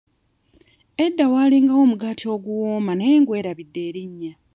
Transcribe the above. Edda waalingawo omugaati oguwoma naye ngwerabidde erinnya.